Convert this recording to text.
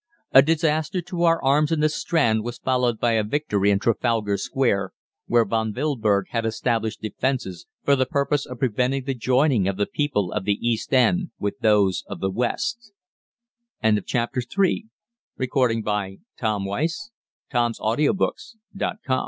A disaster to our arms in the Strand was followed by a victory in Trafalgar Square, where Von Wilberg had established defences for the purpose of preventing the joining of the people of the East End with those of the West...." CHAPTER IV. MASSACRE OF GERMANS IN LONDON. "'DAILY TELEGRAPH' OFFICE, "Oct. 12, 6 P.